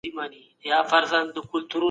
بشري قوانین باید د حق په اساس وي.